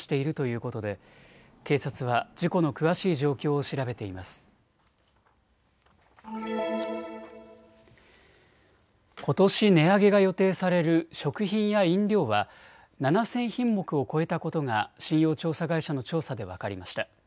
ことし値上げが予定される食品や飲料は７０００品目を超えたことが信用調査会社の調査で分かりました。